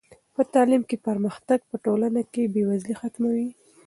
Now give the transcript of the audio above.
په تعلیم کې پرمختګ په ټولنه کې بې وزلي ختموي.